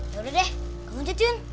yaudah deh kamu cincin